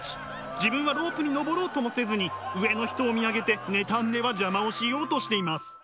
自分はロープに登ろうともせずに上の人を見上げて妬んでは邪魔をしようとしています。